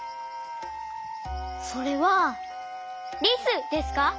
それはリスですか？